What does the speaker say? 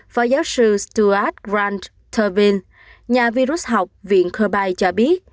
phó giáo sư stuart grant turvin nhà virus học viện kirby cho biết